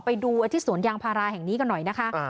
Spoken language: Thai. ไปดูที่สวนยางพาราแห่งนี้กันหน่อยนะคะ